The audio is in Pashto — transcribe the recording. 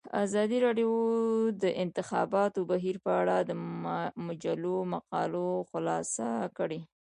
ازادي راډیو د د انتخاباتو بهیر په اړه د مجلو مقالو خلاصه کړې.